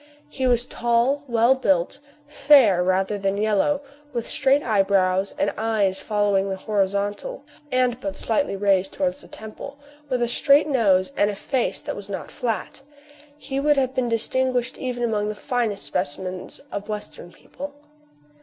He was tall, well built, fair rather than yellow ; with straight eyebrows, and eyes following the horizontal, and but slightly raised towards the temple ; with a straight nose, and a face that was not flat. He would have been distinguished even among the finest specimens of Western people.